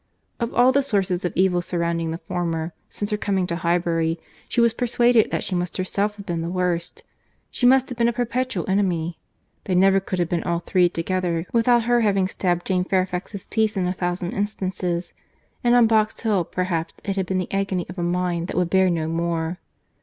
Of all the sources of evil surrounding the former, since her coming to Highbury, she was persuaded that she must herself have been the worst. She must have been a perpetual enemy. They never could have been all three together, without her having stabbed Jane Fairfax's peace in a thousand instances; and on Box Hill, perhaps, it had been the agony of a mind that would bear no more.